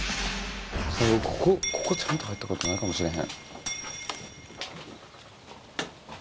ここちゃんと入ったことないかもしれへん。